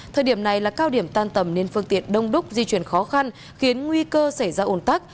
thời điểm này là cao điểm tan tầm nên phương tiện đông đúc di chuyển khó khăn khiến nguy cơ xảy ra ổn tắc